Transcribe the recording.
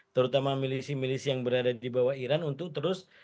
terutama milisi milisi yang berada di bawah iran untuk terus